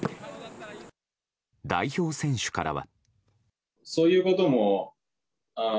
代表選手からは。